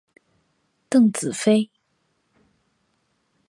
邓紫飞。